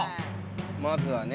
まずはね。